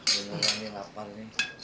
beneran ini lapar nih